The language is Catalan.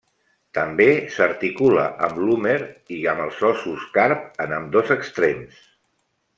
També s'articula amb l'húmer i amb els ossos carp en ambdós extrems.